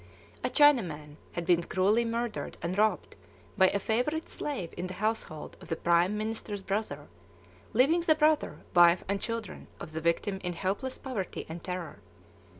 A Chinaman had been cruelly murdered and robbed by a favorite slave in the household of the prime minister's brother, leaving the brother, wife, and children of the victim in helpless poverty and terror.